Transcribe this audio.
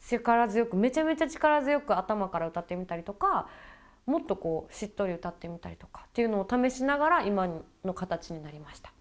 力強くめちゃめちゃ力強く頭から歌ってみたりとかもっとこうしっとり歌ってみたりとかっていうのを試しながら今の形になりました。